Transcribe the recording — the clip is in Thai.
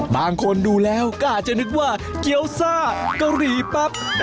บางคนดูแล้วก็อาจจะนึกว่าเกี้ยวซ่ากะหรี่ปั๊บ